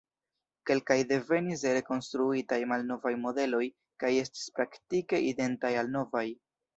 Kelkaj devenis de rekonstruitaj malnovaj modeloj kaj estis praktike identaj al novaj.